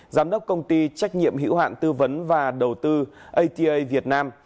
giám đốc công ty trách nhiệm hữu hạn tư vấn và đầu tư ata việt nam